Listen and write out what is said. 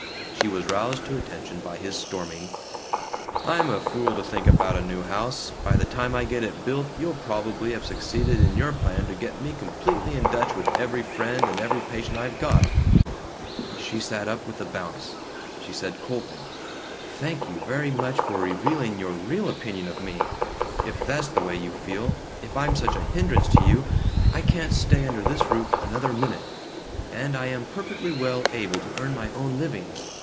She was roused to attention by his storming: "I'm a fool to think about a new house. By the time I get it built you'll probably have succeeded in your plan to get me completely in Dutch with every friend and every patient I've got." She sat up with a bounce. She said coldly, "Thank you very much for revealing your real opinion of me. If that's the way you feel, if I'm such a hindrance to you, I can't stay under this roof another minute. And I am perfectly well able to earn my own living.